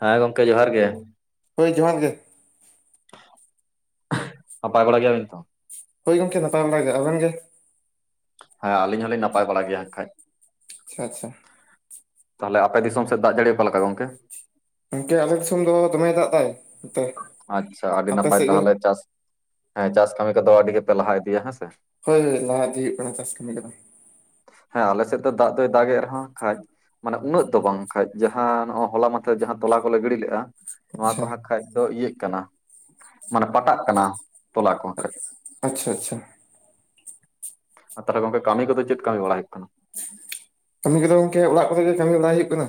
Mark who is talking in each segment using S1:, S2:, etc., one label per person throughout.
S1: ᱦᱮᱸ ᱜᱚᱢᱠᱮ ᱡᱚᱦᱟᱨ ᱜᱮ᱾
S2: ᱦᱳᱭ ᱡᱚᱦᱟᱨ ᱜᱮ
S1: [inaudible] ᱱᱟᱯᱟᱭ ᱵᱟᱲᱟ ᱜᱮᱭᱟ ᱵᱤᱱ ᱛᱚ?
S2: ᱦᱳᱭ ᱜᱚᱢᱠᱮ ᱱᱟᱯᱟᱭ ᱵᱟᱲᱟ ᱜᱮ᱾ ᱟᱵᱮᱱ ᱜᱮ?
S1: ᱦᱮᱸ ᱟᱞᱤᱧ ᱦᱚᱞᱤᱧ ᱱᱟᱯᱟᱭ ᱵᱟᱲᱟ ᱜᱮᱭᱟ ᱠᱷᱟᱡ
S2: ᱟᱪᱷᱟ ᱟᱪᱷᱟ
S1: ᱛᱟᱦᱚᱞᱮ ᱟᱯᱮ ᱫᱤᱥᱚᱢ ᱥᱮᱫ ᱫᱟᱜ ᱡᱟᱲᱤ ᱚᱠᱟ ᱞᱮᱠᱟ ᱜᱚᱝᱠᱮ?
S2: ᱜᱚᱢᱠᱮ ᱟᱞᱮ ᱫᱤᱥᱚᱢ ᱫᱚ ᱫᱚᱢᱮ ᱫᱟᱜ ᱫᱟᱭ! ᱱᱚᱛᱮ
S1: ᱟᱪᱪᱷᱟ ᱟᱹᱰᱤ
S2: ᱟᱯᱮ
S1: ᱱᱟᱯᱟᱭ
S2: ᱥᱮᱫ ᱜᱮ
S1: ᱛᱟᱦᱚᱞᱮ ᱪᱟᱥ ᱦᱮᱸ ᱪᱟᱥ ᱠᱟᱹᱢᱤ ᱠᱚᱫᱚ ᱟᱹᱰᱤ ᱜᱮᱯᱮ ᱞᱟᱦᱟ ᱤᱫᱤᱭᱟ ᱦᱮᱸ ᱥᱮ
S2: ᱦᱳᱭ ᱦᱳᱭ ᱞᱟᱦᱟ ᱤᱫᱤ ᱦᱩᱭᱩᱜ ᱠᱟᱱᱟ ᱪᱟᱥ ᱠᱟᱹᱢᱤ ᱠᱚᱫᱚ
S1: ᱦᱮᱸ ᱟᱞᱮ ᱥᱮᱫ ᱫᱚ ᱫᱟᱜ ᱫᱚᱭ ᱫᱟᱜ ᱮᱜ ᱨᱮᱦᱚᱸ ᱠᱷᱟᱡ ᱢᱟᱱᱮ ᱩᱱᱟᱹᱜ ᱫᱚ ᱵᱟᱝ ᱠᱷᱟᱡ ᱡᱟᱦᱟᱸ ᱱᱚᱜ ᱦᱚᱞᱟ ᱢᱟᱫᱷᱮᱨ ᱡᱟᱦᱟᱸ ᱛᱚᱞᱟ ᱠᱚᱞᱮ ᱜᱤᱲᱤ ᱞᱮᱫᱼᱟ ᱱᱚᱣᱟ
S2: ᱟᱪᱪᱷᱟ
S1: ᱠᱚᱦᱚᱸ ᱠᱷᱟᱡ ᱫᱚ ᱤᱭᱟᱹᱜ ᱠᱟᱱᱟ ᱢᱟᱱᱮ ᱯᱟᱴᱟᱜ ᱠᱟᱱᱟ ᱛᱚᱞᱟ ᱠᱚ ᱠᱷᱟᱡ
S2: ᱟᱪᱪᱷᱟ ᱟᱪᱪᱷᱟ
S1: ᱟᱨ ᱛᱟᱦᱚᱞᱮ ᱜᱚᱝᱠᱮ ᱠᱟᱹᱢᱤ ᱠᱚᱫᱚ ᱪᱮᱫ ᱠᱟᱢᱤ ᱵᱟᱲᱟ ᱦᱩᱭᱩᱜ ᱠᱟᱱᱟ
S2: ᱠᱟᱹᱢᱤ ᱜᱫᱚᱚ ᱜᱚᱝᱠᱮ ᱚᱲᱟᱜ ᱠᱚᱨᱮ ᱜᱮ ᱠᱟᱹᱢᱤ ᱵᱟᱟᱭ ᱦᱩᱭᱩᱜ ᱠᱟᱱᱟ?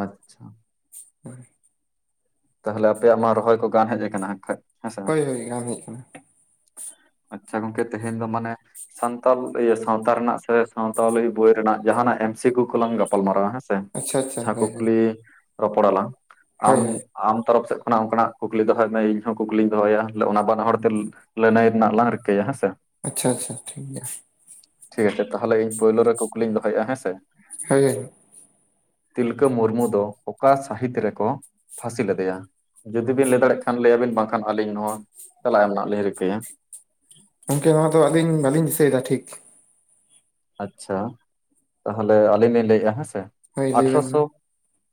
S1: ᱟᱪᱪᱷᱟ᱾
S2: ᱦᱮᱸ
S1: ᱛᱟᱦᱚᱞᱮ ᱟᱯᱮᱭᱟᱜ ᱢᱟ ᱨᱚᱦᱚᱭ ᱠᱚ ᱜᱟᱱ ᱦᱮᱡ ᱟᱠᱟᱱᱟ ᱠᱷᱟᱡ ᱦᱮᱸᱥᱮ
S2: ᱦᱳᱭ ᱦᱳᱭ ᱜᱟᱱ ᱦᱮᱡ ᱟᱠᱟᱱᱟ
S1: ᱟᱪᱪᱷᱟ ᱜᱚᱝᱠᱮ ᱛᱮᱦᱮᱧ ᱫᱚ ᱢᱟᱱᱮ ᱥᱟᱱᱛᱟᱞ ᱟᱭᱟ. ᱥᱟᱶᱛᱟ ᱨᱮᱱᱟᱜ ᱥᱮ ᱥᱟᱶᱛᱟᱞᱤ ᱵᱚᱭ ᱨᱮᱱᱟᱜ ᱡᱟᱦᱱᱟᱜ ᱮᱢ ᱥᱤ ᱠᱤᱭᱩ ᱠᱚᱞᱟᱝ ᱜᱟᱯᱟᱞᱢᱟᱨᱟᱣᱟ ᱦᱮᱸ
S2: ᱟᱪᱪᱷᱟ ᱟᱪᱪᱷᱟ
S1: ᱡᱟᱦᱟᱸ
S2: ᱦᱳᱭ ᱦᱳᱭ
S1: ᱠᱩᱠᱞᱤ ᱨᱚᱯᱚᱲ ᱟᱞᱟᱝ
S2: ᱦᱳᱭ ᱦᱳᱭ
S1: ᱟᱢ ᱟᱢ ᱛᱚᱨᱚᱯ ᱥᱮᱫ ᱠᱷᱚᱱᱟᱜ ᱚᱱᱠᱟᱱᱟᱜ ᱠᱩᱠᱞᱤ ᱫᱚᱦᱚᱭ ᱢᱮ ᱤᱧ ᱦᱚᱸ ᱠᱩᱠᱞᱤᱧ ᱫᱚᱦᱚᱭᱟ ᱚᱱᱟ ᱵᱟᱱᱟ ᱦᱚᱲ ᱛᱮ ᱞᱟᱹᱱᱟᱹᱭ ᱨᱮᱱᱟᱜ ᱞᱟᱝ ᱨᱤᱠᱟᱹᱭᱟ ᱦᱮᱸ ᱥᱮ
S2: ᱟᱪᱪᱷᱟ ᱟᱪᱪᱷᱟ ᱴᱷᱤᱠ ᱜᱮᱭᱟ
S1: ᱴᱷᱤᱠ ᱟᱪᱷᱮ ᱛᱟᱦᱮᱞᱮ ᱤᱧ ᱯᱳᱭᱞᱳ ᱨᱮ ᱠᱩᱠᱞᱤᱧ ᱫᱚᱦᱚᱭᱮᱜ-ᱟ ᱦᱮᱸ ᱥᱮ
S2: ᱦᱚᱭᱮ
S1: ᱛᱤᱞᱠᱟᱹ ᱢᱩᱨᱢᱩ ᱫᱚ ᱚᱠᱟ ᱥᱟᱹᱦᱤᱛ ᱨᱮᱠᱚ ᱯᱷᱟᱥᱤ ᱞᱮᱫᱮᱭᱟ ᱡᱩᱫᱤ ᱵᱤᱱ ᱞᱟᱹᱭ ᱫᱟᱲᱮᱭᱟᱜ ᱠᱷᱟᱱ ᱞᱟᱹᱭᱟᱵᱤᱱ ᱵᱟᱝᱠᱷᱟᱱ ᱟᱹᱞᱤᱧ ᱱᱚᱣᱟ ᱛᱮᱞᱟ ᱮᱢ ᱨᱮᱱᱟᱜ ᱞᱤᱧ ᱨᱤᱠᱟᱹᱭᱟ?
S2: ᱜᱚᱝᱠᱮ ᱱᱚᱣᱟ ᱫᱚ ᱟᱞᱤᱧ ᱵᱟᱹᱞᱤᱧ ᱫᱤᱥᱟᱹᱭ ᱫᱟ ᱴᱷᱤᱠ
S1: ᱟᱪᱪᱷᱟ ᱛᱟᱦᱚᱞᱮ ᱟᱹᱞᱤᱧ ᱞᱤᱧ ᱞᱟᱹᱭᱮᱜᱼᱟ ᱦᱮᱸᱥᱮ
S2: ᱦᱳᱭ ᱞᱟᱹᱭ ᱵᱮᱱ ᱢᱟ
S1: ᱟᱴᱷᱨᱚᱥᱚ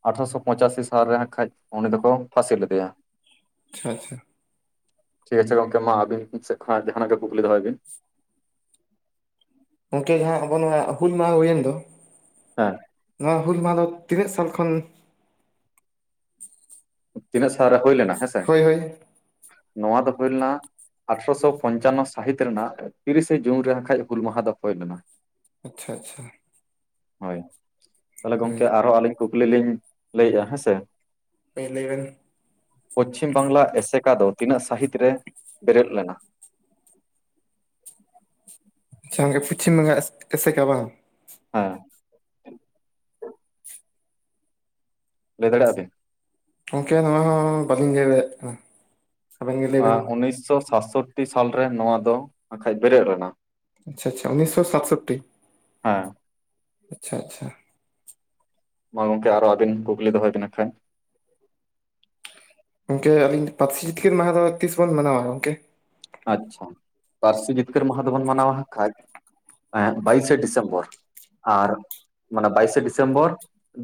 S1: ᱟᱴᱷᱨᱚᱥᱚ ᱯᱚᱸᱪᱟᱥᱤ ᱥᱟᱞ ᱨᱮ ᱦᱟᱡ ᱠᱷᱟᱡ ᱩᱱᱤ ᱫᱚᱠᱚ ᱯᱷᱟᱥᱤ ᱞᱮᱫᱮᱭᱟ᱾
S2: ᱟᱪᱷᱟ ᱟᱪᱷᱟ
S1: ᱴᱷᱤᱠ ᱟᱪᱷᱮ ᱜᱚᱢᱠᱮ ᱢᱟ ᱟᱵᱤᱱ ᱥᱮᱫ ᱠᱷᱚᱱᱟᱜ ᱡᱟᱦᱟᱱᱟᱜ ᱜᱮ ᱠᱩᱠᱞᱤ ᱫᱚᱦᱚᱭ ᱵᱤᱱ
S2: ᱜᱚᱝᱠᱮ ᱡᱟᱦᱟᱸ ᱟᱵᱚ ᱱᱚᱣᱟ ᱦᱩᱞ ᱢᱟᱦᱟ ᱦᱩᱭᱮᱱ ᱫᱚ
S1: ᱦᱮᱸ
S2: ᱱᱚᱣᱟ ᱦᱩᱞ ᱢᱟᱦᱟ ᱫᱚ ᱛᱤᱱᱟᱹᱜ ᱥᱟᱞ ᱠᱷᱚᱱ?
S1: ᱛᱤᱱᱟᱹᱜ ᱥᱟᱞ ᱨᱮ ᱦᱳᱭ ᱞᱮᱱᱟ ᱦᱮᱸ ᱥᱮ
S2: ᱦᱳᱭ ᱦᱳᱭ
S1: ᱱᱚᱣᱟ ᱫᱚ ᱦᱳᱭ ᱞᱮᱱᱟ ᱟᱴᱷᱨᱚᱥᱚ ᱯᱚᱧᱪᱟᱱᱱᱚ ᱥᱟᱹᱦᱤᱛ ᱨᱮᱱᱟᱜ ᱛᱤᱨᱤᱥᱮ ᱡᱩᱱ ᱨᱮ ᱮᱱ ᱠᱷᱟᱡ ᱦᱩᱞ ᱢᱟᱦᱟ ᱫᱚ ᱦᱩᱭ ᱞᱮᱱᱟ
S2: ᱟᱪᱪᱷᱟ ᱟᱪᱪᱷᱟ
S1: ᱦᱳᱭ ᱛᱟᱦᱞᱮ
S2: ᱦᱳᱭ
S1: ᱜᱚᱝᱠᱮ ᱟᱨᱦᱚᱸ ᱟᱹᱞᱤᱧ ᱠᱩᱠᱞᱤ ᱞᱤᱧ ᱞᱟᱹᱭᱮᱜᱼᱟ ᱦᱮᱸ ᱥᱮ?
S2: ᱦᱮᱸ ᱞᱮᱭ ᱵᱤᱱ
S1: ᱯᱚᱪᱷᱤᱢ ᱵᱟᱝᱞᱟ ᱮᱥᱮᱠᱟ ᱫᱚ ᱛᱤᱱᱟᱹᱜ ᱥᱺᱦᱤᱛ ᱨᱮ ᱵᱮᱨᱮᱫ ᱞᱮᱱᱟ?
S2: ᱟᱪᱪᱷᱟ ᱯᱚᱩᱪᱷᱤᱢ ᱵᱚᱝᱜᱟ ᱮᱥᱮᱠᱟ ᱵᱟᱝ?
S1: ᱦᱮᱸ ᱞᱟᱹᱭ ᱫᱟᱲᱮᱭᱟᱜ ᱟᱵᱤᱱ?
S2: ᱜᱚᱢᱠᱮ ᱱᱚᱣᱟ ᱦᱚᱸ ᱵᱟᱹᱞᱤᱧ ᱞᱟᱹᱭ ᱫᱟᱲᱭᱟᱜ ᱠᱟᱱᱟ᱾ ᱟᱵᱮᱱ ᱜᱮ ᱞᱟᱹᱭ ᱵᱮᱱ
S1: ᱟᱸ ᱩᱱᱤᱥᱥᱚ ᱥᱟᱛᱥᱚᱴᱴᱤ ᱥᱟᱞᱨᱮ ᱱᱚᱣᱟ ᱫᱚ ᱱᱟᱠᱷᱟᱡ ᱵᱮᱨᱮᱫ ᱞᱮᱱᱟ᱾
S2: ᱟᱪᱪᱷᱟ ᱟᱪᱪᱷᱟ ᱩᱱᱤᱥᱥᱚ ᱥᱟᱛᱥᱚᱴᱴᱤ
S1: ᱦᱮᱸ
S2: ᱟᱪᱪᱷᱟ ᱟᱪᱪᱷᱟ᱾
S1: ᱢᱟ ᱜᱚᱝᱠᱮ ᱟᱨᱚ ᱟᱹᱵᱤᱱ ᱠᱩᱠᱞᱤ ᱫᱚᱦᱚᱭ ᱵᱤᱱ ᱮᱱ ᱠᱷᱟᱱ᱾
S2: ᱜᱚᱝᱠᱮ ᱟᱞᱤᱧ ᱯᱟᱹᱨᱥᱤ ᱡᱤᱛᱠᱟᱹᱨ ᱢᱟᱦᱟ ᱫᱚ ᱛᱤᱥ ᱵᱚᱱ ᱢᱟᱱᱟᱣᱟ ᱜᱚᱝᱠᱮ?
S1: ᱟᱪᱪᱷᱟ ᱯᱟᱹᱨᱥᱤ ᱡᱤᱛᱠᱟᱹᱨ ᱢᱟᱦᱟ ᱫᱚᱵᱚᱱ ᱢᱟᱱᱟᱣᱟ ᱠᱷᱟᱡ ᱵᱟᱭᱤᱥᱮ ᱰᱤᱥᱮᱢᱵᱚᱨ᱾ ᱟᱨ ᱢᱟᱱᱮ ᱵᱟᱭᱤᱥᱮ ᱰᱤᱥᱮᱢᱵᱚᱨ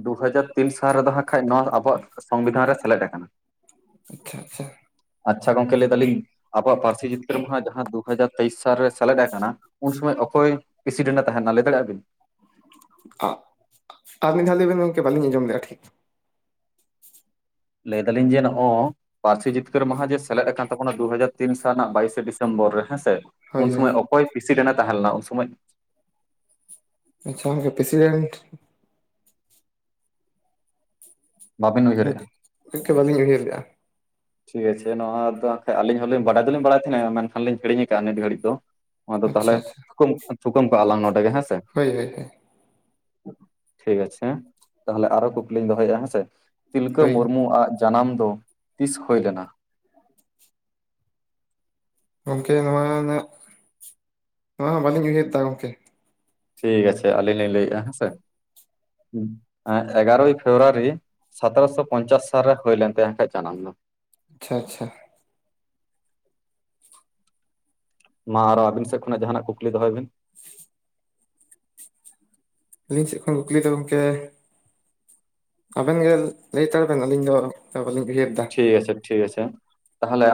S1: ᱫᱩ ᱦᱟᱡᱟᱨ ᱛᱤᱱ ᱥᱟᱞ ᱨᱮᱫᱚ ᱦᱟᱸᱜ ᱠᱷᱟᱡ ᱱᱚᱣᱟ ᱟᱵᱚᱣᱟᱜ ᱥᱚᱝᱵᱤᱫᱷᱟᱱ ᱨᱮ ᱥᱮᱞᱮᱫ ᱟᱠᱟᱱᱟ᱾
S2: ᱟᱪᱪᱷᱟ ᱟᱪᱪᱷᱟ᱾
S1: ᱟᱪᱪᱷᱟ ᱜᱚᱝᱠᱮ ᱞᱟᱹᱭ ᱫᱟᱞᱤᱧ ᱟᱵᱚᱣᱟᱜ ᱯᱟᱹᱨᱥᱤ ᱡᱤᱛᱟᱹᱨ ᱢᱟᱦᱟ ᱡᱟᱦᱟᱸ ᱫᱩ ᱦᱟᱡᱟᱨ ᱛᱮᱭᱤᱥ ᱥᱟᱞ ᱨᱮ ᱥᱮᱞᱮᱫ ᱟᱠᱟᱱᱟ ᱩᱱ ᱥᱚᱢᱚᱭ ᱚᱠᱚᱭ ᱯᱨᱮᱥᱤᱰᱮᱱᱴ ᱮ ᱛᱟᱦᱮᱱᱟ ᱞᱟᱹᱭ ᱫᱟᱲᱮᱭᱟᱜ ᱵᱤᱱ?
S2: ᱟ ᱟᱨ ᱢᱤᱫ ᱫᱷᱟᱣ ᱞᱮ ᱵᱮᱱ ᱜᱚᱝᱠᱮ ᱵᱟᱟᱹᱞᱤᱧ ᱟᱸᱡᱚᱢ ᱞᱮᱫᱟ ᱴᱷᱤᱠ᱾
S1: ᱞᱟᱹᱭ ᱫᱟᱞᱤᱧ ᱡᱮ ᱱᱚᱜᱼᱚᱭ ᱯᱟᱹᱨᱥᱤ ᱡᱤᱛᱠᱟᱹᱨ ᱢᱟᱦᱟ ᱡᱮ ᱥᱮᱞᱮᱫ ᱟᱠᱟᱱ ᱛᱟᱵᱚᱱᱟ ᱫᱩ ᱦᱟᱡᱟᱨ ᱛᱤᱱ ᱥᱟᱞ ᱵᱟᱭᱤᱥᱮ ᱰᱤᱥᱮᱢᱵᱚᱨ ᱨᱮ ᱦᱮᱸᱥᱮ?
S2: ᱦᱳᱭ
S1: ᱩᱱ
S2: ᱦᱳᱭ
S1: ᱥᱚᱢᱚᱭ ᱚᱠᱚᱭ ᱯᱨᱤᱥᱤᱰᱤᱱ ᱮ ᱛᱟᱦᱮᱸ ᱞᱮᱱᱟ ᱩᱱ ᱥᱚᱢᱢᱚᱭ?
S2: ᱟᱪᱪᱷᱟ ᱩᱱᱤᱫᱚ ᱯᱨᱮᱥᱤᱰᱮᱱᱴ
S1: ᱵᱟᱵᱤᱱ ᱩᱭᱦᱟᱹᱨᱮᱜᱼᱟ?
S2: ᱜᱚᱢᱠᱮ ᱵᱟᱞᱤᱧ ᱩᱭᱦᱟᱹᱨᱮᱜ-ᱟ᱾
S1: ᱴᱷᱤᱠ ᱟᱪᱷᱮ ᱱᱚᱣᱟ ᱫᱚ ᱮᱱ ᱠᱷᱟᱡ ᱟᱹᱞᱤᱧ ᱦᱚᱸᱞᱤᱧ ᱵᱟᱰᱟᱭ ᱫᱚᱞᱤᱧ ᱵᱟᱲᱟᱭ ᱛᱟᱦᱮᱸᱱᱟ ᱢᱮᱱᱠᱷᱟᱱ ᱞᱤᱧ ᱦᱤᱲᱤᱧ ᱟᱠᱟᱫ ᱱᱤᱛ ᱜᱷᱟᱹᱲᱤᱡ ᱫᱚ᱾ ᱱᱚᱣᱟ ᱫᱚ
S2: ᱟᱪᱪᱷᱟ
S1: ᱛᱟᱦᱞᱮᱢ
S2: ᱟᱪᱪᱷᱟ
S1: ᱛᱷᱩᱠᱟᱹᱢ ᱛᱷᱩᱠᱟᱹᱢ ᱠᱟᱜᱼᱟ ᱞᱟᱝ ᱱᱚᱰᱮ ᱜᱮ ᱦᱮᱸᱥᱮ᱾
S2: ᱦᱳᱭ ᱦᱳᱭ
S1: ᱴᱷᱤᱠ ᱟᱪᱷᱮ ᱦᱮᱸ ᱛᱟᱦᱞᱮ ᱟᱨᱚ ᱠᱩᱠᱞᱤᱧ ᱫᱚᱦᱚᱭᱮᱫᱼᱟ ᱦᱮᱸᱥᱮ ᱛᱤᱞᱠᱟᱹ
S2: ᱦᱳᱭ
S1: ᱢᱩᱨᱢᱩᱣᱟᱜ ᱡᱟᱱᱟᱢ ᱫᱚ ᱛᱤᱥ ᱦᱳᱭ ᱞᱮᱱᱟ?
S2: ᱜᱚᱢᱠᱮ ᱱᱚᱣᱟ ᱨᱮᱱᱟᱜ ᱱᱚᱣᱟ ᱦᱚᱸ ᱵᱟᱹᱞᱤᱧ ᱩᱭᱦᱟᱹᱨ ᱮᱫᱟ ᱜᱚᱢᱠᱮ᱾
S1: ᱴᱷᱤᱠ ᱟᱪᱷᱮ ᱟᱹᱞᱤᱧ ᱞᱤᱧ ᱞᱟᱹᱭᱮᱜᱼᱟ ᱦᱮᱸᱥᱮ ᱮᱜᱟᱨᱳᱭ ᱯᱷᱮᱵᱨᱩᱣᱟᱨᱤ ᱥᱚᱛᱮᱨᱚᱥᱚ ᱯᱚᱧᱪᱟᱥ ᱥᱟᱞ ᱨᱮ ᱦᱩᱭ ᱞᱮᱱ ᱛᱟᱭᱟ ᱠᱷᱟᱡ ᱡᱟᱱᱟᱢ ᱫᱚ᱾
S2: ᱟᱪᱪᱷᱟ ᱟᱪᱪᱷᱟ
S1: ᱢᱟ ᱟᱨᱚ ᱟᱵᱤᱱ ᱥᱮᱫ ᱠᱷᱚᱱᱟᱜ ᱡᱟᱦᱟᱱᱟᱜ ᱠᱩᱠᱞᱤ ᱫᱚᱦᱚᱭ ᱵᱤᱱ᱾
S2: [inaudible] ᱟᱹᱞᱤᱧ ᱥᱮᱫ ᱠᱷᱚᱱ ᱠᱩᱠᱞᱤ ᱫᱚ ᱜᱚᱢᱠᱮ ᱟᱵᱮᱱ ᱜᱮ ᱞᱟᱹᱭ ᱦᱟᱛᱟᱲ ᱵᱮᱱ ᱟᱹᱞᱤᱧ ᱫᱚ ᱵᱟᱟᱹᱞᱤᱧ ᱩᱭᱦᱟᱹᱨ ᱫᱟ᱾
S1: ᱴᱷᱤᱠ ᱟᱪᱷᱮ ᱴᱷᱤᱠ ᱟᱪᱷᱮ ᱛᱟᱦᱚᱞᱮ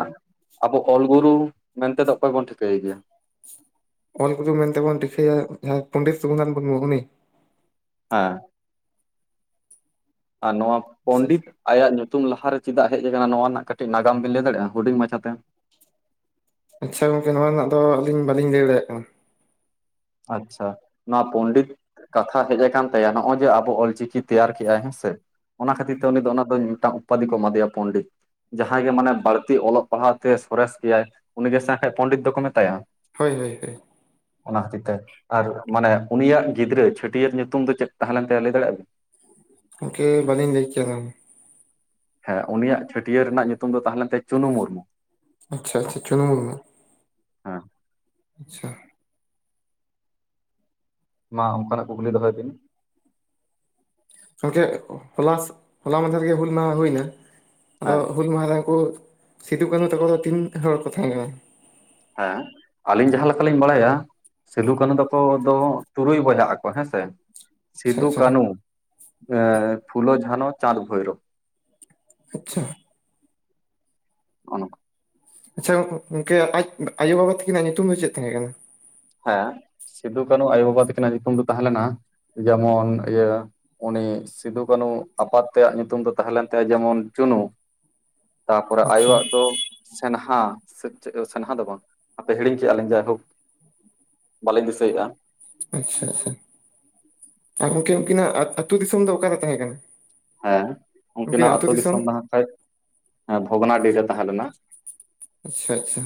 S1: ᱟᱵᱚ ᱚᱞ ᱜᱩᱨᱩ ᱢᱮᱱᱛᱮ ᱫᱚ ᱚᱠᱚᱭ ᱵᱚᱱ ᱴᱷᱤᱠᱟᱹᱭᱟ?
S2: ᱚᱞ ᱜᱩᱨᱩ ᱢᱮᱱᱛᱮᱵᱚᱱ ᱴᱷᱠᱷᱟᱹᱭᱟ ᱡᱟᱦᱟᱭ ᱯᱚᱱᱰᱤᱛ ᱨᱚᱜᱷᱩᱱᱟᱛᱷ ᱢᱩᱨᱢᱩ, ᱩᱱᱤ?
S1: ᱦᱮᱸ ᱟᱨ ᱱᱚᱣᱟ
S2: ᱟᱪᱪᱷᱟ
S1: ᱯᱚᱱᱰᱤᱛ ᱟᱭᱟᱜ ᱧᱩᱛᱩᱢ ᱞᱟᱦᱟᱨᱮ ᱪᱮᱫᱟᱜ ᱦᱮᱡ ᱟᱠᱟᱱᱟ ᱱᱚᱣᱟ ᱨᱮᱱᱟᱜ ᱠᱟᱹᱴᱤᱡ ᱱᱟᱜᱟᱢ ᱵᱤᱱ ᱞᱟᱹᱭ ᱫᱟᱲᱮᱜᱼᱟ ᱦᱩᱰᱤᱧ ᱢᱟᱪᱷᱟ ᱛᱮ,
S2: ᱟᱪᱪᱷᱟ ᱜᱚᱝᱠᱮ ᱱᱚᱣᱟ ᱨᱮᱱᱟᱜ ᱫᱚ ᱟᱹᱞᱤᱧ ᱵᱟᱹᱞᱤᱧ ᱞᱟᱹᱭ ᱫᱟᱲᱮᱭᱟᱜ ᱠᱟᱱᱟ᱾
S1: ᱟᱪᱪᱷᱟ ᱱᱚᱣᱟ ᱯᱚᱱᱰᱤᱛ ᱠᱟᱛᱷᱟ ᱦᱮᱡ ᱟᱠᱟᱱ ᱛᱟᱭᱟ ᱱᱚᱜᱼᱚᱭ ᱡᱮ ᱟᱵᱚ ᱚᱞᱪᱤᱠᱤ ᱛᱮᱭᱟᱨ ᱠᱮᱜᱟᱭ ᱦᱮᱸᱥᱮ᱾ ᱚᱱᱟ ᱠᱷᱟᱹᱛᱤᱨ ᱛᱮ ᱩᱱᱤ ᱫᱚ ᱚᱱᱟ ᱫᱚ ᱢᱤᱫᱴᱟᱝ ᱩᱯᱟᱫᱷᱤ ᱠᱚ ᱮᱢᱟᱫᱮᱭᱟ ᱯᱚᱱᱰᱤᱛ᱾ ᱡᱟᱦᱟᱸᱭ ᱜᱮ ᱢᱟᱱᱮ ᱵᱟᱹᱲᱛᱤ ᱚᱞᱚᱜ ᱯᱟᱲᱦᱟᱣ ᱛᱮ ᱥᱚᱨᱮᱥ ᱜᱮᱭᱟᱭ ᱩᱱᱤ ᱜᱮ ᱥᱮ ᱦᱟᱜ ᱯᱚᱱᱰᱤᱛ ᱫᱚᱠᱚ ᱢᱮᱛᱟᱭᱟ᱾
S2: ᱦᱳᱭ ᱦᱳᱭ ᱦᱳᱭ
S1: ᱚᱱᱟ ᱠᱷᱟᱹᱛᱤᱨ ᱟᱨ ᱢᱟᱱᱮ ᱩᱱᱤᱭᱟᱜ ᱜᱤᱫᱽᱨᱟᱹ ᱪᱷᱟᱹᱴᱭᱟᱹᱨ ᱧᱩᱛᱩᱢ ᱫᱚ ᱪᱮᱫ ᱛᱟᱦᱮᱸ ᱞᱮᱱ ᱛᱟᱭᱟ ᱞᱟᱹᱭ ᱫᱟᱲᱮᱭᱟᱜᱼᱟ ᱵᱤᱱ?
S2: ᱜᱚᱢᱠᱮ ᱵᱟᱞᱤᱧ ᱞᱟᱹᱭ ᱠᱮᱭᱟ ᱚᱱᱟ ᱫᱚ᱾
S1: ᱦᱮᱸ ᱩᱱᱤᱭᱟᱜ ᱪᱷᱟᱹᱴᱭᱟᱹᱨ ᱨᱮᱱᱟᱜ ᱧᱩᱛᱩᱢ ᱫᱚ ᱛᱟᱦᱮᱸᱞᱮᱱ ᱛᱟᱭᱟ ᱪᱩᱱᱩ ᱢᱩᱨᱢᱩ᱾
S2: ᱟᱪᱪᱷᱟᱻᱟᱪᱪᱷᱟᱻᱪᱩᱱᱩ ᱢᱩᱨᱢᱩ᱾
S1: ᱦᱮᱸ
S2: ᱟᱪᱪᱷᱟ᱾
S1: ᱢᱟ ᱚᱱᱠᱟᱱᱟᱜ ᱠᱩᱠᱞᱤ ᱫᱚᱦᱚᱭ ᱵᱤᱱ᱾
S2: ᱜᱚᱝᱠᱮ ᱦᱚᱞᱟ, ᱦᱚᱞᱟ ᱢᱟᱫᱷᱮᱨ ᱜᱮ ᱦᱩᱞ ᱢᱟᱦᱟ ᱦᱩᱭᱱᱟ ᱟᱫᱚ
S1: ᱦᱮᱸ
S2: ᱦᱩᱞ ᱢᱚᱦᱟ ᱨᱮ ᱩᱱᱠᱩ ᱥᱤᱫᱩ ᱠᱟᱹᱱᱩ ᱛᱟᱠᱚ ᱫᱚ, ᱛᱤᱱ ᱦᱚᱲ ᱠᱚ ᱛᱟᱦᱮᱸ ᱠᱟᱱᱟ?
S1: ᱦᱮᱸ ᱟᱹᱞᱤᱧ ᱡᱟᱦᱟᱸ ᱞᱮᱠᱟᱞᱤᱧ ᱵᱟᱲᱟᱭᱟ᱾ ᱥᱤᱫᱩ ᱠᱟᱹᱱᱩ ᱛᱟᱠᱚ ᱫᱚ ᱛᱩᱨᱩᱭ ᱵᱚᱭᱦᱟᱜ ᱟᱠᱚ ᱦᱮᱸ ᱥᱮ᱾
S2: ᱟᱪᱪᱷᱟ
S1: ᱥᱤᱫᱩ,
S2: ᱟᱪᱪᱷᱟ
S1: ᱠᱟᱹᱱᱩ, ᱮ ᱯᱷᱩᱞᱚ, ᱡᱷᱟᱱᱚ, ᱪᱟᱸᱫᱽ, ᱵᱷᱚᱭᱨᱳ᱾
S2: ᱟᱪᱪᱷᱟ᱾
S1: ᱦᱚᱜᱼᱚ ᱱᱚᱝᱠᱟ᱾
S2: ᱟᱪᱪᱷᱟ ᱜᱚᱝᱠᱮ ᱟᱡ ᱟᱭᱳ ᱵᱟᱵᱟ ᱛᱟᱠᱤᱱᱟᱜ ᱧᱩᱛᱩᱢ ᱫᱚ ᱪᱮᱫ ᱛᱟᱦᱮᱸ ᱠᱟᱱᱟ?
S1: ᱦᱮᱸ ᱥᱤᱫᱩ ᱠᱟᱹᱱᱩ ᱟᱭᱳ ᱵᱟᱵᱟ ᱛᱟᱹᱠᱤᱱᱟᱜ ᱧᱩᱛᱩᱢ ᱫᱚ ᱛᱟᱦᱮᱸ ᱞᱮᱱᱟ ᱡᱮᱢᱚᱱ ᱤᱭᱟᱹ ᱩᱱᱤ ᱥᱤᱫᱩ ᱠᱟᱹᱱᱩ ᱟᱯᱟᱛ ᱛᱮᱭᱟᱜ ᱧᱩᱛᱩᱢ ᱫᱚ ᱛᱟᱦᱮᱸ ᱞᱮᱱ ᱛᱟᱭᱟ, ᱡᱮᱢᱚᱱ ᱪᱩᱱᱩ᱾ ᱛᱟᱯᱚᱨᱮ
S2: ᱟᱪᱪᱷᱟ
S1: ᱟᱭᱳᱣᱟᱜ ᱫᱚ ᱥᱮᱱᱦᱟ ᱥᱮ ᱪᱮᱜ ᱳ ᱥᱮᱱᱦᱟ ᱫᱚ ᱵᱟᱝ ᱦᱟᱯᱮ ᱦᱤᱲᱤᱧ ᱠᱮᱜᱼᱟᱞᱤᱧ ᱡᱟᱭᱦᱳᱠ ᱵᱟᱞᱮᱧ ᱫᱤᱥᱟᱹᱭᱮᱜᱼᱟ᱾
S2: ᱟᱪᱪᱷᱟᱻᱟᱪᱪᱷᱟᱻ᱾ ᱟᱨ ᱜᱚᱢᱠᱮ ᱩᱱᱠᱤᱱᱟᱜ ᱟ ᱟᱹᱛᱳ ᱫᱤᱥᱚᱢ ᱫᱚ ᱚᱠᱟᱨᱮ ᱛᱟᱦᱮᱸ ᱠᱟᱱᱟ?
S1: ᱦᱮᱸ ᱩᱝᱠᱤᱱᱟᱜ
S2: ᱩᱱᱠᱤᱱᱟᱜ ᱟᱹᱛᱩ
S1: ᱟᱹᱛᱳ ᱫᱤᱥᱚᱢ ᱦᱟᱸᱜ ᱠᱷᱟᱡ ᱵᱷᱚᱜᱽᱱᱟᱰᱤ ᱨᱮ ᱛᱟᱦᱮᱸ ᱞᱮᱱᱟ᱾
S2: ᱟᱪᱪᱷᱟᱻᱟᱪᱪᱷᱟᱻ᱾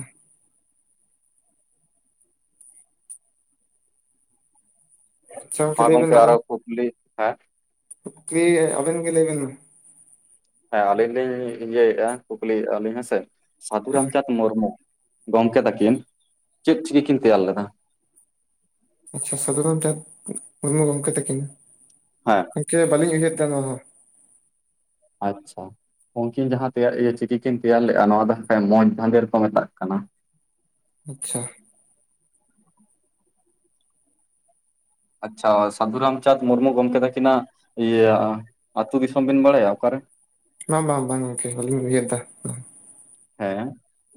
S2: ᱟᱪᱪᱷᱟ
S1: ᱢᱟ ᱜᱚᱝᱠᱮ ᱟᱨᱚ ᱠᱩᱠᱞᱤ ᱦᱮᱸ
S2: ᱚᱠᱮ ᱟᱵᱮᱱ ᱜᱮ ᱞᱟᱹᱭ ᱵᱮᱱ
S1: ᱦᱮᱸ ᱟᱹᱞᱤᱧ ᱞᱤᱧ ᱤᱭᱟᱹ ᱭᱮᱜᱼᱟ ᱠᱩᱠᱞᱤᱭᱮᱜᱼᱟ, ᱞᱤᱧ ᱦᱮᱸᱥᱮ ᱥᱟᱹᱫᱷᱩ
S2: ᱦᱮᱸ
S1: ᱨᱟᱢᱪᱟᱸᱫᱽ ᱢᱩᱨᱢᱩ᱾ ᱜᱚᱝᱠᱮ ᱛᱟᱠᱤᱱ ᱪᱮᱫ ᱪᱤᱠᱤ ᱠᱤᱱ ᱛᱮᱭᱟᱨ ᱞᱮᱫᱟ?
S2: ᱟᱪᱪᱷᱟ ᱥᱟᱫᱷᱨᱟᱢ ᱪᱟᱸᱫᱽ ᱢᱩᱨᱢᱩ ᱜᱚᱝᱠᱮ ᱛᱟᱹᱠᱤᱱ?
S1: ᱦᱮᱸᱻ᱾
S2: ᱜᱚᱝᱠᱮ ᱵᱟ. ᱞᱤᱧ ᱩᱭᱦᱟᱹᱨᱟ ᱫᱟ ᱱᱚᱣᱟ ᱦᱚᱸ᱾
S1: ᱟᱪᱪᱷᱟ᱾ ᱩᱝᱠᱤᱱ ᱡᱟᱦᱟᱸ ᱛᱮᱭᱟ ᱤᱭᱟᱹ ᱪᱤᱠᱤ ᱠᱤᱱ ᱛᱮᱭᱟᱨ ᱞᱮᱜᱼᱟ, ᱱᱚᱣᱟ ᱫᱚ ᱦᱟᱸᱜ ᱠᱷᱟᱡ ᱢᱚᱸᱡᱽ ᱫᱟᱸᱫᱷᱮᱨᱠᱚ ᱢᱮᱛᱟᱜ ᱠᱟᱱᱟ᱾
S2: ᱟᱪᱪᱷᱟ᱾
S1: ᱟᱪᱪᱷᱟ ᱥᱟᱹᱫᱷᱩ ᱨᱟᱢᱪᱟᱸᱫᱽ ᱢᱩᱨᱢᱩ ᱜᱚᱢᱠᱮ ᱛᱟᱹᱠᱤᱱᱟᱜ ᱤᱭᱟᱹ ᱟᱹᱛᱩ ᱫᱤᱥᱚᱢ ᱵᱤᱱ ᱵᱟᱲᱟᱭᱟ ᱚᱠᱟᱨᱮ?
S2: ᱵᱟᱝᱻᱵᱟᱝᱻᱵᱟᱝᱻᱜᱚᱝᱠᱮ ᱵᱟᱹᱞᱤᱧ ᱩᱭᱦᱟᱹᱨ ᱫᱟ᱾
S1: ᱦᱮᱸ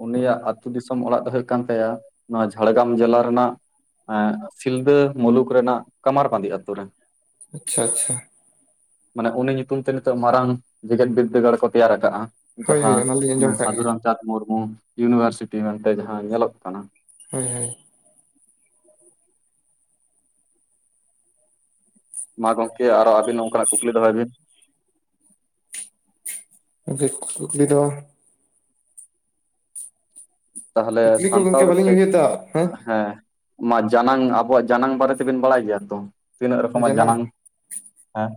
S1: ᱩᱱᱤᱭᱟᱜ ᱟᱹᱛᱩ ᱫᱤᱥᱚᱢ ᱚᱲᱟᱜ ᱫᱚ ᱦᱩᱭᱩᱜ ᱠᱟᱱ ᱛᱟᱭᱟ, ᱱᱚᱣᱟ ᱡᱷᱟᱲᱜᱨᱟᱢ ᱡᱮᱞᱟ ᱨᱮᱱᱟᱜ ᱮᱸ ᱥᱤᱞᱫᱟᱹ ᱢᱩᱞᱩᱠ ᱨᱮᱱᱟᱜ ᱠᱟᱢᱟᱨ ᱵᱟᱸᱫᱽᱤ ᱟᱛᱳ ᱨᱮ᱾
S2: ᱟᱪᱪᱷᱟᱻᱟᱪᱪᱷᱟᱻ᱾
S1: ᱢᱟᱱᱮ ᱩᱱᱤ ᱧᱩᱛᱩᱢ ᱛᱮ ᱱᱤᱛᱚᱜ ᱢᱟᱨᱟᱝ ᱡᱮᱜᱮᱛ ᱵᱤᱫᱽᱫᱟᱹᱜᱟᱲ ᱠᱚ ᱛᱮᱭᱟᱨ ᱠᱟᱜᱼᱟ
S2: ᱦᱳᱭ ᱦᱳᱭ
S1: ᱡᱟᱦᱟᱸ
S2: ᱚᱱᱟᱞᱤᱧ ᱟᱸᱡᱚᱢ ᱠᱟᱜ ᱜᱮᱭᱟ
S1: ᱪᱟᱸᱫᱽ ᱢᱩᱨᱢᱩ ᱤᱭᱩᱱᱤᱵᱷᱟᱨᱥᱤᱴᱤ ᱢᱮᱱᱛᱮ ᱡᱟᱦᱟᱸ ᱧᱮᱞᱚᱜ ᱠᱟᱱᱟ᱾
S2: ᱦᱳᱭᱻᱦᱳᱭᱻ᱾
S1: ᱢᱟ ᱜᱚᱝᱠᱮ ᱟᱨᱚ ᱟᱹᱵᱤᱱ ᱱᱚᱝᱠᱟᱱᱟᱜ ᱠᱩᱠᱞᱤ ᱫᱚᱦᱚᱭ ᱵᱤᱱ᱾
S2: ᱜᱚᱝᱠᱮ ᱠᱩᱠᱞᱤ ᱫᱚ
S1: ᱛᱟᱦᱚᱞᱮ
S2: ᱠᱩᱠᱞᱤ ᱠᱚ ᱜᱚᱢᱠᱮ
S1: ᱥᱟᱱᱛᱟᱲ
S2: ᱵᱟᱹᱞᱤᱧ
S1: ᱛᱮ
S2: ᱩᱭᱦᱟᱹᱨ ᱮᱫᱟ
S1: ᱦᱮᱸ ᱢᱟ ᱡᱟᱱᱟᱝ ᱟᱵᱚᱣᱟᱜ ᱡᱟᱱᱟᱝ ᱵᱟᱨᱮ ᱛᱮᱵᱤᱱ ᱵᱟᱲᱟᱭ ᱜᱮᱭᱟ ᱛᱚ, ᱛᱤᱱᱟᱹᱜ ᱨᱚᱠᱚᱢᱟ
S2: ᱡᱟᱱᱟᱢ
S1: ᱡᱟᱱᱟᱝ? ᱦᱮᱸ᱾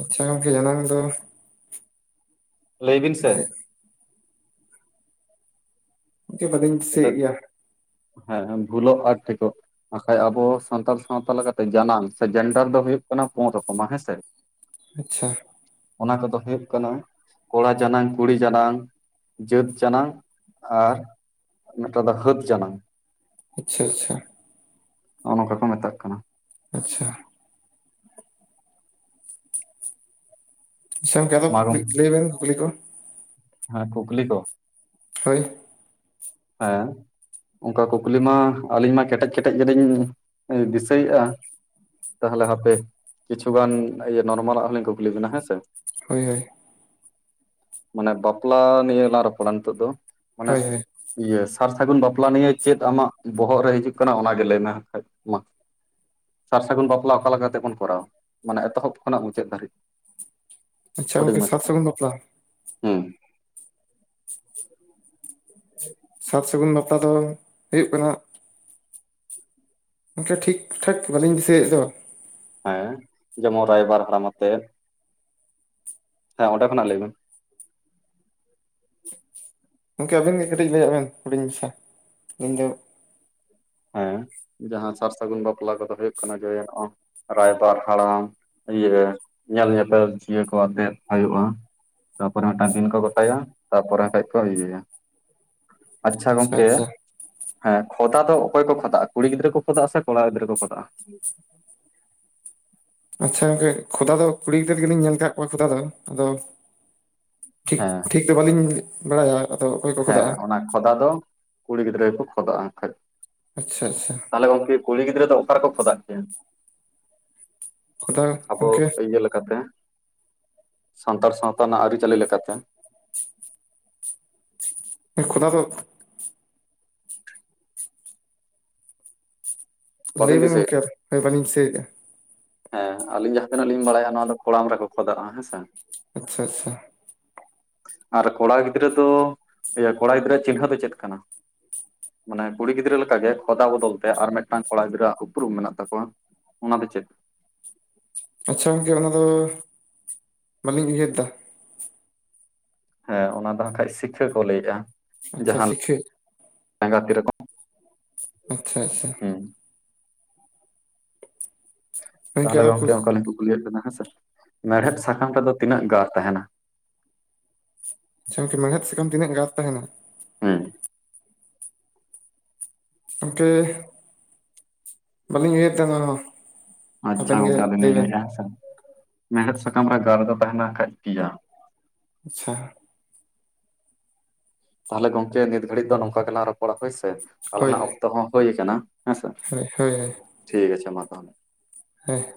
S2: ᱟᱪᱪᱷᱟ ᱜᱚᱝᱠᱮ ᱡᱟᱱᱟᱝ ᱫᱚ
S1: ᱞᱟᱹᱭᱵᱤᱱ
S2: ᱵᱟᱞᱮ
S1: ᱥᱮ?
S2: ᱜᱚᱝᱠᱮ ᱵᱟᱹᱞᱤᱧ ᱫᱤᱥᱟᱹᱭᱮᱜ ᱜᱮᱭᱟ᱾
S1: ᱦᱮᱸᱻᱦᱮᱸᱻ ᱵᱷᱩᱞᱳᱜ ᱟᱨ ᱴᱷᱤᱠᱳᱜ᱾ ᱦᱟᱸᱠᱷᱟᱡ ᱟᱵᱚ ᱥᱟᱱᱛᱟᱲ ᱥᱟᱶᱛᱟ ᱞᱮᱠᱟᱛᱮ ᱡᱟᱱᱟᱝ ᱥᱮ ᱡᱮᱱᱰᱟᱨ ᱫᱚ ᱦᱩᱭᱩᱜ ᱠᱟᱱᱟ, ᱯᱩᱱ ᱨᱚᱠᱚᱢᱟ ᱦᱮᱸ ᱥᱮ᱾
S2: ᱟᱪᱪᱷᱟ
S1: ᱚᱱᱟ ᱠᱚᱫᱚ ᱦᱩᱭᱩᱜ ᱠᱟᱱᱟ ᱠᱚᱲᱟ ᱡᱟᱱᱟᱝ ᱠᱩᱲᱤ ᱡᱟᱱᱟᱝ ᱡᱟᱹᱛ ᱡᱟᱱᱟᱝ ᱟᱨ ᱢᱤᱫᱴᱟᱝ ᱫᱚ ᱦᱟᱹᱫ ᱡᱟᱱᱟᱝ᱾
S2: ᱟᱪᱪᱷᱟ ᱟᱪᱪᱷᱟ
S1: ᱦᱚᱜᱼᱚ ᱱᱚᱝᱠᱟ ᱠᱚ ᱢᱮᱛᱟᱜ ᱠᱟᱱᱟ᱾
S2: ᱟᱪᱪᱷᱟ ᱟᱪᱪᱷᱟ ᱜᱚᱢᱠᱮ ᱟᱫᱚ ᱠᱩᱠᱞᱤ
S1: ᱢᱟᱨᱚᱢ
S2: ᱞᱟᱹᱭ ᱵᱮᱱ ᱠᱩᱠᱞᱤ ᱠᱚ᱾
S1: ᱦᱮᱸ ᱠᱩᱠᱞᱤ ᱠᱚ᱾
S2: ᱦᱳᱭ
S1: ᱦᱮᱸ ᱚᱝᱠᱟ ᱠᱩᱠᱞᱤ ᱢᱟ ᱟᱹᱞᱤᱧ ᱢᱟ ᱠᱮᱴᱮᱡ ᱠᱮᱴᱮᱡ ᱜᱮᱞᱤᱧ ᱫᱤᱥᱟᱹᱭᱮᱜᱼᱟ᱾ ᱛᱟᱦᱞᱮ ᱦᱟᱯᱮ ᱠᱤᱪᱷᱩᱜᱟᱱ ᱤᱭᱟᱹ ᱱᱚᱨᱢᱟᱞᱟᱜ ᱦᱚᱸᱞᱤᱧ ᱠᱩᱠᱞᱤ ᱵᱤᱱᱟ ᱦᱮᱸ ᱥᱮ᱾
S2: ᱦᱳᱭ ᱦᱳᱭ
S1: ᱢᱟᱱᱮ ᱵᱟᱯᱞᱟ ᱱᱤᱭᱟᱹ ᱞᱟᱝ ᱨᱚᱯᱚᱲᱟ ᱱᱤᱛᱚᱜ ᱫᱚ ᱢᱟᱱᱮ
S2: ᱦᱳᱭ ᱦᱳᱭ
S1: ᱤᱭᱟᱹ ᱥᱟᱨ ᱥᱟᱹᱜᱩᱱ ᱵᱟᱯᱞᱟ ᱱᱤᱭᱮ ᱪᱮᱫ ᱟᱢᱟᱜ ᱵᱚᱦᱚᱜ ᱨᱮ ᱦᱤᱡᱩᱜ ᱠᱟᱱᱟ ᱚᱱᱟᱜᱮ ᱞᱟᱹᱭᱢᱮ ᱦᱟᱸᱜ ᱠᱷᱟᱡ ᱢᱟ᱾ ᱥᱟᱨ ᱥᱟᱹᱜᱩᱱ ᱵᱟᱯᱞᱟ ᱚᱠᱟ ᱞᱮᱠᱟ ᱞᱮᱠᱟ ᱠᱟᱛᱮᱫ ᱵᱚᱱ ᱠᱚᱨᱟᱣᱟ ᱢᱟᱱᱮ ᱮᱛᱚᱦᱚᱵ ᱠᱷᱚᱱ ᱢᱩᱪᱟᱹᱫ ᱫᱷᱟᱹᱨᱤᱡ?
S2: ᱟᱪᱪᱷᱟ
S1: ᱦᱩᱰᱤᱧ
S2: ᱜᱚᱢᱠᱮ
S1: ᱢᱟᱪᱷᱟ
S2: ᱥᱟᱨ
S1: ᱛᱮ
S2: ᱥᱟᱹᱜᱩᱱ ᱵᱟᱯᱞᱟ
S1: ᱦᱮᱸ
S2: ᱥᱟᱨ ᱥᱟᱹᱜᱩᱱ ᱵᱟᱯᱞᱟ ᱫᱚ ᱦᱩᱭᱩᱜ ᱠᱟᱱᱟ ᱜᱚᱝᱠᱮ ᱴᱷᱤᱠ ᱴᱷᱟᱠ ᱵᱟᱹᱞᱤᱧ ᱫᱤᱥᱟᱹᱭᱮᱫ ᱫᱚ᱾
S1: ᱦᱮᱸ ᱡᱮᱢᱚᱱ ᱨᱟᱭᱵᱟᱨ ᱦᱟᱲᱟᱢ ᱟᱛᱮᱫ ᱦᱮᱸ ᱚᱸᱰᱮ ᱠᱷᱚᱱᱟᱜ ᱞᱟᱹᱭᱵᱮᱱ
S2: ᱜᱚᱢᱠᱮ ᱟᱵᱤᱱ ᱜᱮ ᱠᱟᱹᱴᱤᱡ ᱞᱟᱹᱭ ᱵᱮᱱ ᱦᱩᱰᱤᱧ ᱢᱟᱪᱷᱟ ᱤᱧ ᱫᱚ
S1: ᱦᱮᱸ ᱡᱟᱦᱟᱸ ᱥᱟᱨ ᱥᱟᱹᱜᱩᱱ ᱵᱟᱯᱞᱟ ᱠᱚᱫᱚ ᱦᱩᱭᱩᱜ ᱠᱟᱱᱟ ᱡᱮ ᱱᱚᱼ ᱨᱟᱭᱵᱟᱨ ᱦᱟᱲᱟᱢ ᱤᱭᱟᱹ ᱧᱮᱞ ᱧᱮᱯᱮᱞ ᱤᱭᱟᱹ ᱠᱚ ᱟᱛᱮᱜ ᱦᱩᱭᱩᱜᱼᱟ ᱛᱟᱯᱚᱨᱮ ᱢᱤᱫᱴᱟᱝ ᱫᱤᱱ ᱠᱚ ᱜᱚᱴᱟᱭᱟ, ᱛᱟᱯᱚᱨᱮ ᱠᱷᱟᱡ ᱠᱚ ᱤᱭᱟᱹᱭᱟ ᱾ ᱟᱪᱪᱷᱟ ᱜᱚᱝᱠᱮ ᱦᱮᱸ ᱠᱷᱚᱫᱟ ᱫᱚ ᱚᱠᱚᱭ ᱠᱚ ᱠᱷᱚᱫᱟᱜᱼᱟ ᱠᱩᱲᱤ ᱜᱤᱫᱽᱨᱟᱹ ᱠᱚ ᱠᱷᱚᱫᱟᱜᱼᱟ ᱥᱮ ᱠᱚᱲᱟ ᱜᱤᱫᱽᱨᱟᱹ ᱠᱚ ᱠᱷᱚᱫᱟᱜᱼᱟ?
S2: ᱟᱪᱪᱷᱟ ᱜᱚᱝᱠᱮ ᱠᱷᱚᱫᱟ ᱫᱚ ᱠᱩᱲᱤ ᱜᱤᱫᱽᱨᱟᱹ ᱜᱮᱞᱤᱧ ᱧᱮᱞ ᱟᱠᱟᱫ ᱠᱚᱣᱟ ᱠᱷᱚᱫᱟ ᱫᱚ ᱟᱫᱚᱼᱼ ᱴᱷᱤᱠ
S1: ᱦᱮᱸ
S2: ᱴᱷᱤᱠ ᱫᱚ ᱵᱟᱹᱞᱤᱧ ᱵᱟᱲᱟᱭᱟ ᱟᱫᱚ ᱚᱠᱚᱭ ᱠᱚ
S1: ᱦᱮᱸ
S2: ᱠᱷᱚᱫᱟᱜᱼᱟ
S1: ᱚᱱᱟ ᱠᱷᱚᱫᱟ ᱫᱚ ᱠᱩᱲᱤ ᱜᱤᱫᱽᱨᱟᱹ ᱜᱮᱠᱚ ᱠᱷᱚᱫᱚᱜᱼᱟ ᱠᱷᱟᱡ
S2: ᱟᱪᱪᱷᱟ ᱟᱪᱪᱷᱟ
S1: ᱛᱟᱦᱚᱞᱮ ᱜᱚᱝᱠᱮ ᱠᱩᱲᱤ ᱜᱤᱫᱽᱨᱟᱹ ᱫᱚ ᱚᱠᱟ ᱨᱮᱠᱚ ᱠᱷᱚᱫᱟᱜ ᱠᱮᱭᱟ
S2: ᱠᱷᱚᱫᱟ
S1: ᱟᱵᱚ
S2: ᱜᱚᱝᱠᱮ
S1: ᱤᱭᱟᱹ ᱞᱮᱠᱟᱛᱮ ᱥᱟᱱᱛᱟᱲ ᱥᱟᱶᱛᱟ ᱨᱮᱱᱟᱜ ᱟᱹᱨᱤᱪᱟᱹᱞᱤ ᱞᱮᱠᱟᱛᱮ
S2: ᱠᱷᱚᱫᱟ ᱫᱚ
S1: ᱵᱟᱹᱵᱤᱱ
S2: ᱞᱟᱹᱭᱵᱮᱱ
S1: ᱫᱤᱥᱟᱹᱭᱮᱫᱼᱟ
S2: ᱜᱚᱝᱠᱮ ᱵᱟᱹᱞᱤᱧ ᱫᱤᱥᱟᱹᱭ ᱫᱟ
S1: ᱦᱮᱸ ᱟᱞᱤᱧ ᱡᱟᱦᱟᱸ ᱛᱤᱱᱟᱹᱜ ᱞᱤᱧ ᱵᱟᱲᱟᱭᱟ ᱱᱚᱣᱟ ᱫᱚ ᱠᱚᱲᱟᱢ ᱨᱮᱠᱚ ᱠᱷᱚᱫᱟᱜᱼᱟ ᱦᱮᱸᱥᱮ
S2: ᱟᱪᱪᱷᱟ ᱟᱪᱪᱷᱟ
S1: ᱟᱨ ᱠᱚᱲᱟ ᱜᱤᱫᱽᱨᱟᱹ ᱫᱚ ᱤᱭᱟᱹ ᱠᱚᱲᱟ ᱜᱤᱫᱽᱨᱟᱹᱣᱟᱜ ᱪᱤᱱᱦᱟᱹ ᱫᱚ ᱪᱮᱫ ᱠᱟᱱᱟ? ᱢᱟᱱᱮ ᱠᱩᱲᱤ ᱜᱤᱫᱽᱨᱟᱹ ᱞᱮᱠᱟᱜᱮ ᱠᱷᱚᱫᱟ ᱵᱚᱫᱚᱞ ᱛᱮ ᱟᱨ ᱢᱤᱫᱴᱟᱝ ᱠᱚᱲᱟ ᱜᱤᱫᱽᱨᱟᱹᱣᱟᱜ ᱩᱯᱨᱩᱢ ᱢᱮᱱᱟᱜ ᱛᱟᱠᱚᱣᱟ ᱚᱱᱟ ᱫᱚ ᱪᱮᱫ?
S2: ᱟᱪᱪᱷᱟ ᱜᱚᱝᱠᱮ ᱚᱱᱟ ᱫᱚ ᱵᱟᱹᱞᱤᱧ ᱩᱭᱦᱟᱹᱨ ᱫᱟ
S1: ᱦᱮᱸ ᱚᱱᱟ ᱫᱚ ᱦᱟᱸᱜ ᱠᱷᱟᱡ ᱥᱤᱠᱷᱟᱹ ᱠᱚ ᱞᱟᱹᱭᱮᱜᱼᱟ
S2: ᱟᱪᱪᱷᱟ
S1: ᱡᱟᱦᱟᱸ
S2: ᱥᱤᱠᱷᱟᱹ
S1: ᱞᱮᱸᱜᱟ ᱛᱤ ᱨᱮᱠᱚ
S2: ᱟᱪᱪᱷᱟ ᱟᱪᱪᱷᱟ
S1: ᱦᱩᱸ ᱛᱟᱦᱚᱞᱮ ᱜᱚᱝᱠᱮ ᱚᱱᱠᱟᱞᱤᱧ ᱠᱩᱠᱞᱤᱭᱮᱫ ᱠᱤᱱᱟ ᱦᱮᱸᱥᱮ ᱢᱮᱲᱦᱮᱫ ᱥᱟᱠᱟᱢ ᱨᱮᱫᱚ ᱛᱤᱱᱟᱹᱜ ᱜᱟᱨ ᱛᱟᱦᱮᱱᱟ?
S2: ᱟᱪᱪᱷᱟ ᱜᱚᱢᱠᱮ ᱢᱮᱲᱦᱮᱫ ᱥᱟᱠᱟᱢ ᱛᱤᱱᱟᱹᱜ ᱜᱟᱨ ᱛᱟᱸᱦᱮᱱᱟ?
S1: ᱦᱮᱸ
S2: ᱜᱚᱝᱠᱮ ᱵᱟᱹᱞᱤᱧ ᱩᱭᱦᱟᱹᱨᱟ ᱫᱟ ᱱᱚᱶᱟ ᱦᱚ
S1: ᱟᱪᱪᱷᱟ ᱜᱚᱝᱠᱮ ᱟᱹᱞᱤᱧ ᱞᱤᱧ ᱞᱟᱹᱭᱮᱫᱼᱟ ᱦᱮᱸᱥᱮ ᱢᱮᱲᱦᱮᱫ ᱥᱟᱠᱟᱢ ᱨᱮ ᱜᱟᱨ ᱫᱚ ᱛᱟᱦᱮᱱᱟ ᱦᱟᱠᱷᱟᱱ ᱯᱤᱭᱟ
S2: ᱟᱪᱪᱷᱟ
S1: ᱛᱟᱦᱚᱞᱮ ᱜᱚᱝᱠᱮ ᱱᱤᱛ ᱜᱷᱟᱹᱲᱤᱡ ᱫᱚ ᱱᱚᱝᱠᱟ ᱜᱮᱞᱟᱝ ᱨᱚᱯᱚᱲᱟ ᱦᱳᱭ ᱥᱮ
S2: ᱦᱳᱭ
S1: ᱟᱞᱟᱝᱟᱜ ᱚᱠᱛᱚ ᱦᱚᱸ ᱦᱳᱭ ᱠᱟᱱᱟ ᱦᱮᱸᱥᱮ
S2: ᱦᱳᱭ ᱦᱳᱭ ᱦᱳᱭ
S1: ᱴᱷᱤᱠ ᱟᱪᱷᱮ ᱢᱟ ᱛᱟᱦᱚᱞᱮ
S2: ᱦᱮᱸ